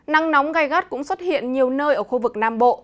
nắng nóng gai gắt cũng xuất hiện nhiều nơi ở khu vực nam bộ